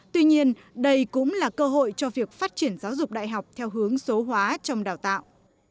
tuy nhiên đây cũng là cơ hội cho việc phát triển giáo dục đại học theo hướng số hóa trong đào tạo